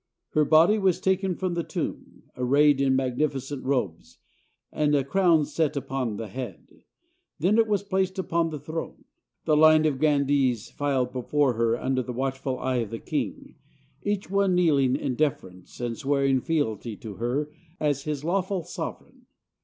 Her body was taken from the tomb, arrayed in magnificent robes, and a crown set upon the head. Then it was placed upon the throne. The line of grandees filed before her under the watchful eye of the king, each one kneeling in deference and swearing fealty to her as his lawful sovereign.